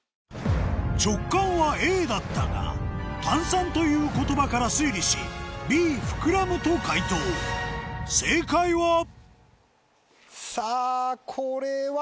直感はＡだったが「炭酸」という言葉から推理しＢふくらむと解答正解はさぁこれは？